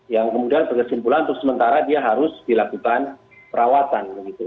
yang kemudian berkesimpulan untuk sementara dia harus dilakukan perawatan